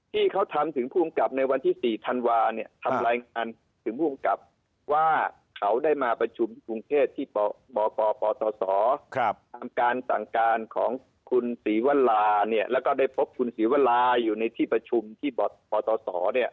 ที่เขาทำถึงภูมิกับในวันที่๔ธันวาเนี่ยทำรายงานถึงภูมิกับว่าเขาได้มาประชุมที่กรุงเทพที่บกปปศทำการสั่งการของคุณศรีวราเนี่ยแล้วก็ได้พบคุณศรีวราอยู่ในที่ประชุมที่ปตศเนี่ย